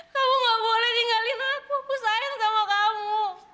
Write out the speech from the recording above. kamu gak boleh tinggalin aku ku sayang sama kamu